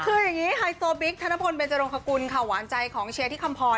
คือยังงี้ไฮโซบิ๊กธนพลเบรจรุงควรข่าวหวานใจของเชียร์ธิคัมพร